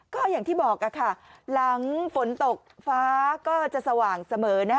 ก็อย่างที่บอกค่ะหลังฝนตกฟ้าก็จะสว่างเสมอ